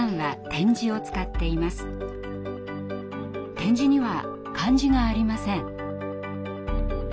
点字には漢字がありません。